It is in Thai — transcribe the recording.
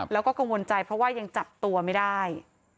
แล้วก็กังวลใจเพราะว่ายังจับตัวไม่ได้